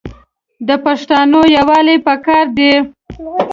د پښتانو یوالي پکار دی.